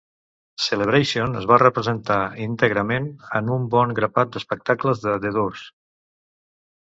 "Celebration" es va representar íntegrament en un bon grapat d'espectacles de The Doors.